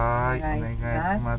お願いします。